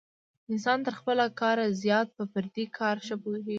انسان تر خپل کار زیات په پردي کار ښه پوهېږي.